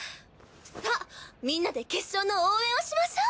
さっみんなで決勝の応援をしましょう！